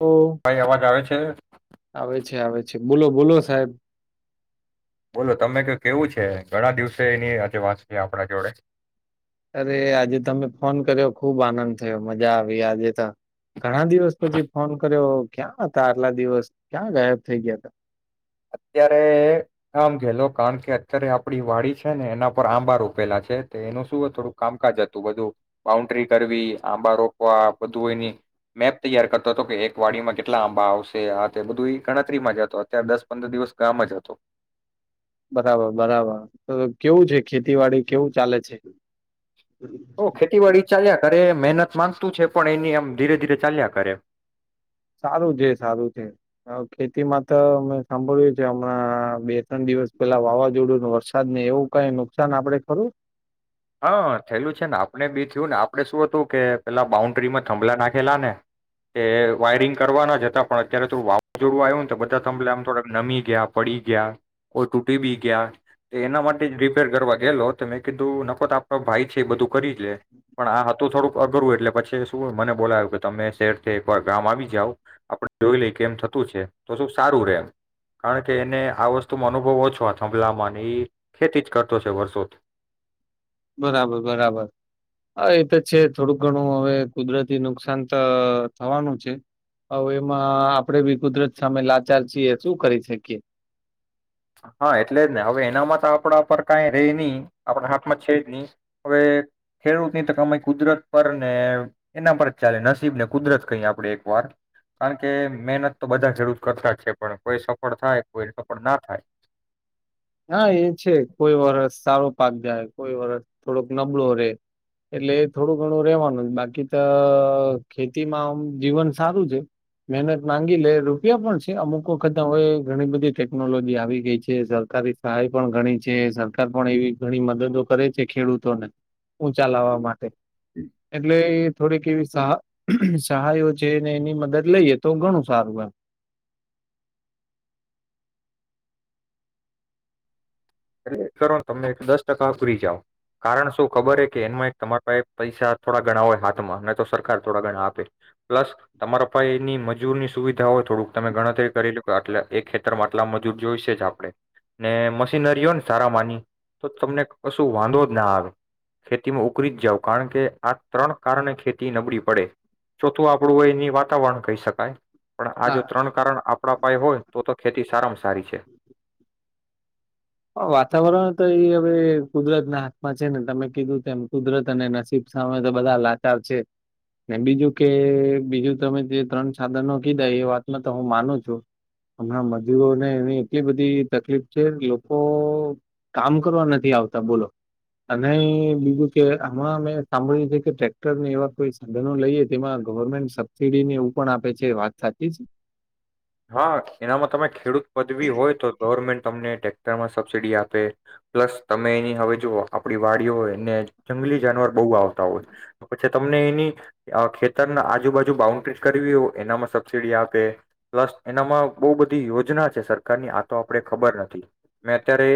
ઓ ભાઈ અવાજ આવે છે? [unintelligible] આવે છે, આવે છે, બોલો, બોલો સાહેબ. બોલો તમે ક કેવું છે? ઘણા દિવસે એની આજે વાંચ થી આપણા જોડે અરે આજે તમે ફોન કર્યો ખુબ આનંદ થયો, મજા આવી આજે તો. ઘણા દિવસ પછી ફોન કર્યો. ક્યાં હતા આટલા દિવસ? ક્યાં ગાયબ થઇ ગયા તા? અત્યારે આમ ગેલો કાણ કે અત્યારે આપડી વાડી છે ને એના પર આંબા રોપેલા છે, તે એનું શું અ થોડુંક કામકાજ અતુ બધું બાઉન્ડ્રી કરવી, આંબા રોપવા, બધું એની મેપ તૈયાર કરતો તો કે એક વાડીમાં કેટલા આંબા આવશે આ તે બધું એ ગણતરીમાં જ હતો, અત્યારે દસ પંદર દિવસ ગામ જ હતો. બરાબર, બરાબર, તો કેવું છે ખેતીવાડી કેવું ચાલે છે? ઓ ખેતીવાડી ચાલ્યા કરે મહેનત માંગતું છે પણ એની આમ ધીરે ધીરે ચાલ્યા કરે સારું છે, સારું છે, અ ખેતીમાં તો મેં સાંભળ્યું છે હમણાં બે ત્રણ દિવસ પેલા વાવાઝોડું ને વરસાદને એવું કાંઈ નુકસાન આપડે ખરું? હા થયેલું છે ને આપણે બી થયું ને, આપણે શું હતું કે પેલા બાઉન્ડ્રીમાં થંભલા નાખેલા ને એ વાયરિંગ કરવાના જ હતા, પણ અત્યારે થડું વાવાઝોડું આવ્યુ ને તો બધા થંભલા આમ થોડા નમી ગયા પડી ગયા કોઈ તૂટી બી ગયા, તો એના માટે જ રિપેર કરવા ગેલો તો મેં કીધું ન પત આપડો ભાઈ છે એ બધું કરી જ લે, પણ આ હતું થોડુંક અઘરું એટલે પછી શું હોય મને બોલાયું કે તમે શહેર થી એક વાર ગામ આવી જાઓ, આપણે જોઈ લઈ કેમ થતું છે તો શું સારું રે એમ, કાણ કે એને આ વસ્તુમાં અનુભવ ઓછો આ થંભલામાં ને એ ખેતી જ કરતો છે વર્ષોથી બરાબર, બરાબર, હ એ તો છે થોડું ઘણું હવે કુદરતી નુકસાન તો થવાનું છે, અવે એમાં આપણેે બી કુદરત સામે લાચાર છીએ શું કરી શકીએ? હા એટલે જ ને હવે એનામાં તો આપણા પર કાંઈ રેય ની, આપણા હાથમાં છે જ ની, હવે ખેડૂતની તો કમાઈ કુદરત પર ને એના પર જ ચાલે નસીબ ને કુદરત કહીએ આપડે એક વાર કાણ કે મહેનત તો બધા ખેડૂત કરતા જ છે, પણ કોઈ સફળ થાય કોઈ સફળ ના થાય હા, એ છે, કોઈ વરસ સારો પાક જાય, કોઈ વરસ થોડોક નબળો રે એટલે એ થોડું ઘણું રેવાનું જ, બાકી તો ખેતીમાં આમ જીવન સારું છે, મહેનત માંગી લે રૂપિયા પણ છે, અમુક વખત અવે ઘણી બધી ટેકનોલોજી આવી ગઈ છે, સરકારી સહાય પણ ઘણી છે, સરકાર પણ એવી ઘણી મદદો કરે છે ખેડૂતોને ઊંચા લાવવા માટે એટલે એ થોડીક એવી સહ સહાયો છે અને એની મદદ લઈએ તો ઘણું સારું એમ અરે કરો તમે દસ ટકા ફ્રી જાવ, કારણ શું ખબર હે કે એનમાં એક તમારા પાંહે પૈસા થોડા ગણા હોય હાથમાં નઈ તો સરકાર થોડા ઘણા આપે, પ્લસ તમારા પાહે એની મજૂરની સુવિધા હોય થોડુંક તમે ગણતરી કરી લો આટલે એ ખેતરમાં આટલા મજૂર જોઈશે જ આપણે ને મ શીનરીઓ ને સારા માની, તો તમને કશું વાંધો જ ના આવે, ખેતીમાં ઉકરી જ જાવ કાણ કે આ ત્રણ કારણે ખેતી નબળી પડે, ચોથું આપણું એની વાતાવરણ કહી શકાય. પણ આ જો હા. ત્રણ કારણ આપણા પાયે હોય તો તો ખેતી સારામાં સારી છે. હ વાતાવરણ તો એ અવે કુદરતના હાથમાં છે ને તમે કીધું તેમ કુદરત અને નસીબ સામે તો બધા લાચાર છે, બીજું કે બીજું તમે જે ત્રણ સાધનો કીધા એ વાતમાં તો હું માનું છું હમણાં મજૂરોને એવી એટલી બધી તકલીફ છે, લો કો કામ કરવા નથી આવતા બોલો અને બીજું કે અમણાં અમે સાંભળ્યું છે કે ટ્રેક્ટર ને એવા કોઈ સાધનો લઈએ તેમાં ગવર્મેન્ટ સબસીડી ને એવું પણ આપે છે, વાત સાચી છે? હા, એનામાં તમે ખેડૂત પદવી હોય તો ગવર્મેન્ટ તમને ટે તામાં સબસિડી આપે, પ્લસ તમે એની હવે જુઓ આપડી વાડીઓ હોયને જંગલી જાનવર બહુ આવતા હોય, પછી તમને એની અ ખેતરના આજુબાજુ બાઉન્ડ્રી જ કરવી હોય એનામાં સબસિડી આપે. પ્લસ એનામાં બઉ બધી યોજના છે સરકારની, આ તો આપડે ખબર નથી મેં અત્યારે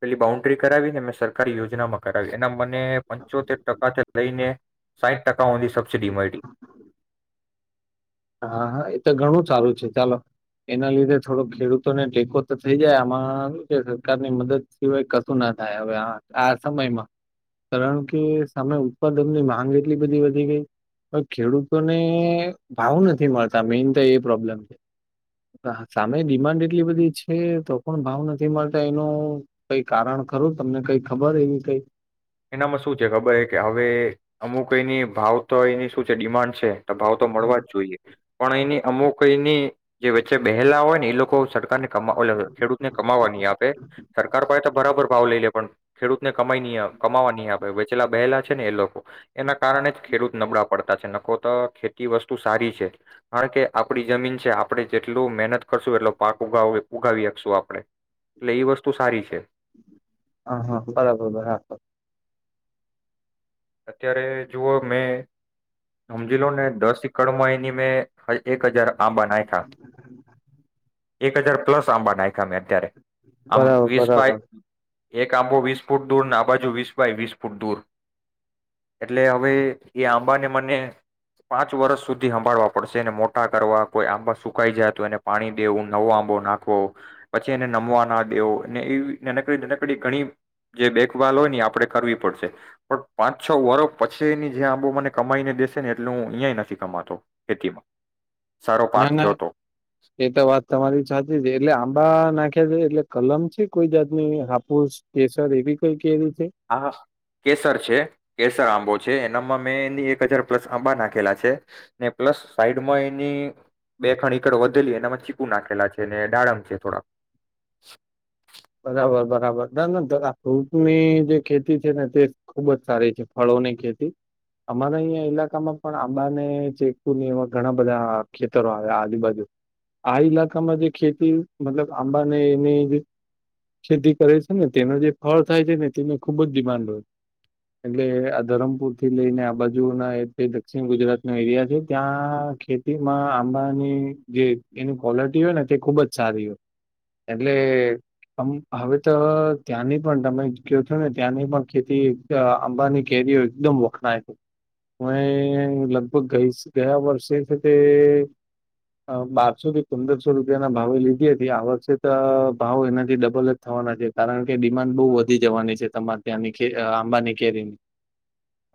પેલી બાઉન્ડ્રી કરાવી ને મેં સરકારી યોજનામાં કરાવી, એનામાં મને પંચોતેર ટકા જે લઈને સાઈઠ ટક [unintelligible] સબસીડી મયળી. હા, હા એ તો ઘણું સારું છે. ચાલો એના લીધે થોડો ખેડૂતોને ટેકો તો થઈ જાય, આમાં શું છે સરકારની મદદ સિવાય કશું ના થાય હવે આ સમયમાં, કારણ કે સામે ઉત્પાદનની માંગ એટલી બધી વધી ગઈ. હવે ખેડૂતોને ભાવ નથી મળતા મેઈન તો એ પ્રોબ્લેમ, સામે ડિમાન્ડ એટલી બધી છે તો પણ ભાવ નથી મળતા એનું કઈ કારણ ખરું? તમને કઈ ખબર એવી કઈ? એનામાં શું છે ખબર હે કે હવે અમુક એની ભાવ તો એની શું છે ડિમાન્ડ છે. તો ભાવ તો મળવા જ જોઈએ, પણ એની અમુક એની જે વચ્ચે બેહેલા હોય ને એ લોકો સર કારને કમા [unintelligible] ખેડૂતને કમાવવા નહી આપે, સરકાર પાહે તો બરાબર ભાવ લઈ લે પણ ખેડૂતને કમાઈ નહીં આપ કમાવા નહીં આપે, વચેલા બેહેલા છે ને એ લોકો. એના કારણે ખેડૂત નબળા પડતા છે. નખો તો ખેતી વસ્તુ સારી છે, કારણ કે આપડી જમીન છે, આપણે જેટલું મહેનત કરશું એટલો પાક ઉગાવો હોય ઉગાવી હકશું આપણે, એટલે ઈ વસ્તુ સારી છે. હા, હા બરાબર [unintelligible] અત્યારે જુઓ મેં હમજી લો ને દસ એકડમાં એની મેં હ એક હજાર આંબા નાખ્યા [inaudible] એક હજાર પ્લસ આંબા નાખ્યા મેં અત્યારે. આમ વીસ બાય બરાબર-બરાબર. એક આંબો વીસ ફૂટ દૂર અને આ બાજુ વીસ બાય વીસ ફૂટ દૂર. એટલે હવે એ આંબાને મને પાંચ વર્ષ સુધી હભાળવા પડશે, એને મોટા કરવા, કોઈ આંબા સુકાઈ જાય તો એને પાણી દેવું, નવો આંબો નાખવો, પછી એને નમવા ના દેવો, અને એ એવી રીતે એને કોઈ નનકડી ઘણી જે દેખભાલ હોય ને આપણેે કરવી પડશે. પણ પાંચ છ વરહ પછી એની જે આંબો મને કમાઈને દેસે ને એટલે હું અહીયાં ઈ નથી કમાતો ખેતીમાં. સારો ના, પાક ના થયો હતો એ તો વાત તમારી સાચી છે. એટલે આંબા નાખી [unintelligible] એટલે કલમ છે કોઈ જાતની હાફુસ કેસર એવી કઈ કેરી છે હા, હા કેસર છે. કેસ સર આંબો છે, એનામાં મેં એની એક હજાર પ્લસ આંબા નાખેલા છે, ને પ્લસ સાઈડમાં એની બે ખણ ઈકર વધેલી એનામાં ચીકુ નાખેલા છે, ને ડાળમ છે થોડાક. બરાબર-બરાબર. ના, ના [unintelligible] ફ્રૂટની જે ખેતી છે ને તે ખુબ જ સારી છે, ફળોની ખેતી. અમારા અહીંયા ઈલાકામાં પણ આંબાને, ચિકુ ને એવા ઘણા બધા ખેતરો આવ્યા આજુબાજુ, આ ઈલાકામાં જે ખેતી મતલબ આંબાને એની જે ખેતી કરે છે ને તેનો જે ફળ થાય છે ને તેની ખૂબ જ ડિમાન્ડ હોય, એટલે આ ધરમપુર થી લઈને આ બાજુના એકેય દક્ષિણ ગુજરાતના એરિયા છે ત્યાં ખેતીમાં આંબાની જે એની ક્વોલિટી હોય ને તે ખુબ જ સારી હોય એટલે હમ હવે તો ત્યાંની પણ તમે કયો છો ને ત્યાંની પણ ખેતી અહ આંબાની કેરીઓ એકદમ વખણાય, [unintelligible] લગભગ ગયા વર્ષે કે તે અહ બારસો થી પંદરસો રૂપિયાના ભાવે લીધી હતી આ વર્ષે તો ભાવ એના થી ડબલ જ થવાના છે, કારણ કે ડિમાન્ડ બહુ વધી જવાની છે તમારે ત્યાંની કેર અહ આંબાની કેરીની.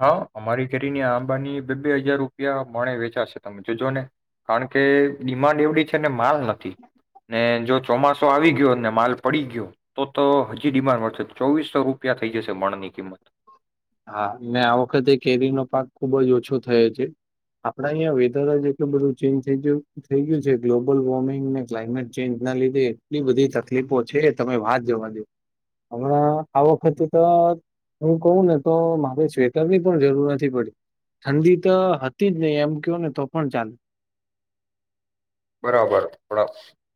હા અમારી કેરીની આંબાની બે-બે હજાર રૂપિયા મળે વેચાશે, તમે જોજો ને કારણ કે ડિમાન્ડ એવડી છે ને માલ નથી. ને જોજ ચોમાસો આવી ગયો ને માલ પડી ગયો તો તો હજી ડિમાન્ડ વધશે. ચોવીસો રૂપિયા થઈ જશે મણ ની કિંમત. હા ને આ વખતે કેરીનો પાક ખુબ જ ઓછો થયો છે. આપડા અહીંયા વેધર જ એટલું બધું ચેન્જ થઈ ગયું થઈ ગયું છે ગ્લોબલ વોર્મિંગ ને ક્લાઇમેટ ચેન્જ ના લીધે એટલી બધી તકલીફો છે તમે વાત જવા દે. હમણાં આ વખતે તો હું કહું ને તો મારે સ્વેટરની પણ જરૂર નથી પડી. ઠંડી તો હતી જ નહી એમ કયો ને તો પણ ચાલે. બરાબર, પણ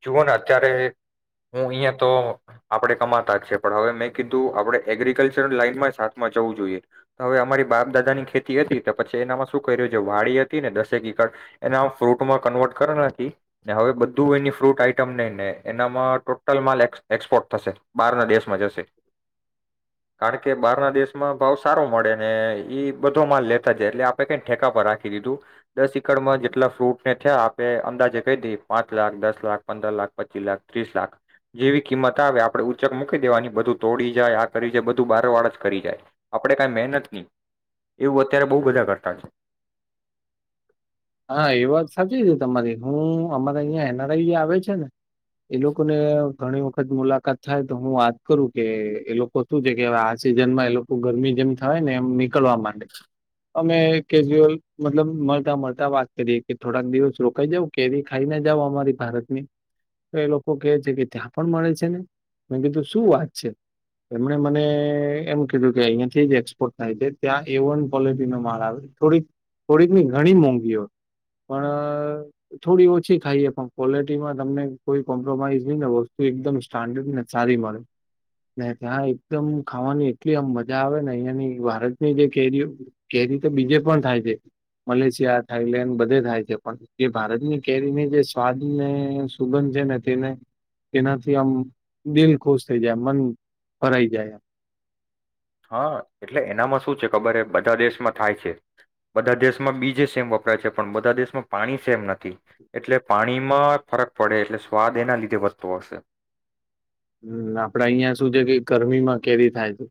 જુઓ ને અત્યારે હું અહીંયા તો આપડે કમાતા જ છે, પણ હવે મેં કીધું આપડે એગ્રીકલ્ચર લાઈનમાં જ હાથમાં જવું જોઈએ. હવે અમારી બાપ દાદા ની ખેતી હતી તો પછી એનામાં શું કર્યું કે વાડી હતી ને દસે ઈકડ એના અમે ફ્રૂટમાં કન્વર્ટ કર નાખી ને હવે બધું એની ફ્રૂટ આઈટમ ને ને એનામાં ટોટલ માલ એક્સ એક્સપોર્ટ થશે, બહારના દેશમાં જશે. કારણ કે બહારના દેશમાં ભાવ સારો મળે ને ઈ બધો માલ લેતા જાય એટલે આપણે કાઈ ઠેકા પર રાખી દીધું. દસ ઈકડમાં જેટલા ફ્રૂટને થયા આપણે અંદાજે કહી દઈ પાંચ લાખ, દસ લાખ, પંદર લાખ, પચી લાખ, ત્રીસ લાખ જેવી કિંમત આવે આપણે ઉચક મૂકી દેવાની, બધું તોડી જાય આ કરી જાય બધું બાર વાર જ કરી જાય, આપણે કાઈ મહેનત ની. એવું અત્યારે બહુ બધા કરતા છે. હા એ વાત સાચી છે તમારી. હું અમારે અહિયાં એન આર આઈ આવે છે ને એ લોકો ને ઘણી વખત મુલાકાત થાય તો હું વાત કરું કે એ લોકો શું છે કે હવે આ સિઝનમાં એ લોકો ગરમી જેમ થવા ને એમ નીકળવા માંડે, અમે કેજ્યુઅલ મતલબ મળતા મળતા વાત કરીએ કે થોડાક દિવસ રોકાઈ જઉ, કેરી ખાઈને જાવ અમારી ભારતની. તો એ લોકો કેહે છે કે ત્યાં પણ મળે છે ને, મેં કીધું શું વાત છે? એમણે મને એમ કીધું કે અહીયાંથી જ એક્સપોર્ટ થાય છે. ત્યાં એ વન ક્વોલિટી નો માલ આવે. થોડીક, થોડીક ની ઘણી મોંઘી ક્યો પણ અહ થોડી ઓછી ખાઈએ પણ ક્વોલિટીમાં તમને કોઈ કોમ્પ્રોમાઈઝ નહીને વસ્તુ એકદમ સ્ટાન્ડર્ડ ને સારી મળે, ને ત્યાં એકદમ ખાવાની એટલી આમ મજા આવે ને અહિયાંની ભારતની જે કેરીઓ કેરી તો બીજે પણ થાય છે, મલેશિયા થાઈલેન્ડ બધે થાય છે, પણ જે ભારતની કેરીની જે સ્વાદ ને સુગંધ છે ને તેને તેનાથી આમ દિલ ખુશ થઈ જાય આમ મન ભરાઈ જાય. હા એટલે એનામાં શું છે ખબર હે, બધા દેશમાં થાય છે, બધા દેશમાં બીજ એ સેમ વપરાય છે, પણ બધા દેશમાં પાણી સેમ નથી, એટલે પાણીમાં ફરક પડે, એટલે સ્વાદ એના લીધે વધતો હશે. હમ, આપડે અહિયાં શું છે કે ગરમીમાં કેરી થાય છે.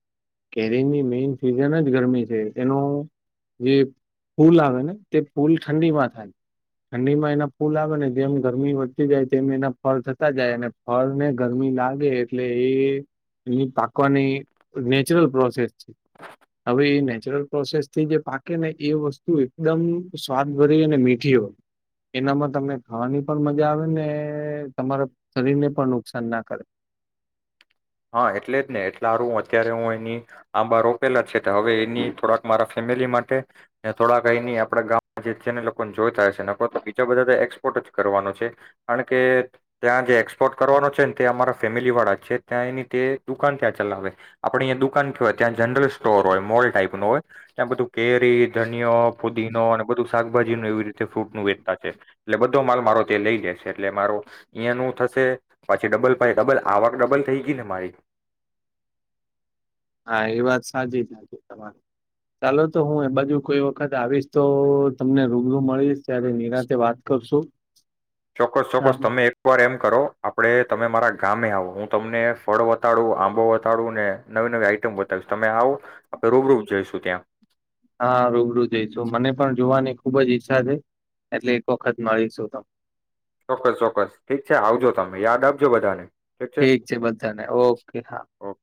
કેરીની મેન સિઝન જ ગરમી છે, એનું જે ફૂલ આવે ને તે ફૂલ ઠંડીમાં થાય. ઠંડીમાં એના ફૂલ આવે ને, જેમ ગરમી વધતી જાય, તેમ એના ફળ થતા જાય અને ફળ ને ગરમી લાગે એટલે એની પાકવાની નેચરલ પ્રોસેસ છે. હવે એ નેચરલ પ્રોસેસથી જે પાકે ને એ વસ્તુ એકદમ સ્વાદ ભરી અને મીઠી હોય. એનામાં તમને ખાવાની પણ મજા આવે ને તમારા શરીરને પણ નુકસાન ના કરે. હા, એટલે જ ને એટલા હારુ, અત્યારે હું અહીંની આંબા રોપેલા જ છે તે હવે એની થોડાક મારા ફેમિલી માટે, થોડાક અહીંની આપડા ગામ જે જેને લોકોને જોઈતા હશેને, બીજા બધા તો એક્સપોર્ટ જ કરવાનો છે કારણ કે ત્યાં જે એક્સપોર્ટ કરવાનો છે ને તે અમારા ફેમિલી વાળા જ છે. ત્યાં એની તે દુકાન ત્યાં ચલાવે. આપડે અહીંયા દુકાન કેવાય, ત્યાં જનરલ સ્ટોર હોય, મોલ ટાઈપ નો હોય, ત્યાં બધું કેરી ધનિયો, પુદીનો અને બધું શાકભાજી ન એવી રીતે ફ્રૂટ નું વેચતા છે. એટલે બધો માલ મારો તે લઈ જાય છે, એટલે મારો અઈંયા નું થસે, પછી ડબલ પાઇ, ડબલ આવક, ડબલ થઈ. ગીને મારી. હા એ વાત સાચી જ તમાર, ચાલો તો, હું એ બાજુ કોઈ વખત આવીશ, તો તમને રૂબરૂ મળીશ ત્યારે નિરાતે વાત કરશું. ચોક્કસ, આમ ચોક્કસ, તમે એકવાર એમ કરો, આપડે તમે મારા ગામે આવો, હું તમને ફળ વતાડું, આંબો વતાડું, ને નવી નવી આઈટમ બતાવીસ, તમે આવો, આપણે રૂબરૂપ જઈશું ત્યાં. હા, રૂબરૂ જઈશું. મને પણ જોવાની ખુબ જ ઈચ્છા થઈ, એટલે એક વખત મળીશું તમ ચોક્કસ, ચોક્કસ, ઠીક છે. આવજો, તમે યાદ આપજો બધાને. ઠીક છે બંધાને, ઓકે, હા. ઓકે